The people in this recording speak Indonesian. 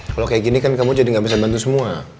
kalau kayak gini kan kamu jadi nggak bisa bantu semua